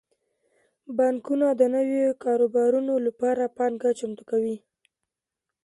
بانکونه د نویو کاروبارونو لپاره پانګه چمتو کوي.